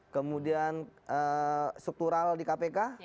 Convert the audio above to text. kemudian struktural di kpk